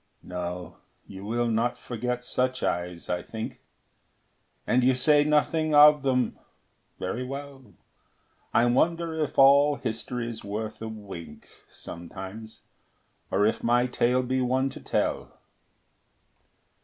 No, you will not forget such eyes, I think, And you say nothing of them. Very well. I wonder if all history's worth a wink, Sometimes, or if my tale be one to tell.